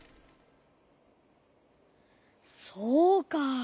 そうか。